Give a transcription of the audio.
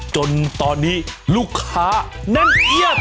จนตอนนี้ลูกค้าแน่นเอียด